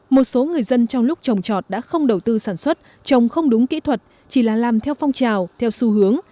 một số người dân trong lúc trồng trọt đã không đầu tư sản xuất trồng không đúng kỹ thuật chỉ là làm theo phong trào theo xu hướng